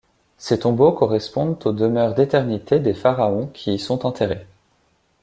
Ces tombeaux correspondent aux demeures d'éternités des pharaons qui y sont enterrés.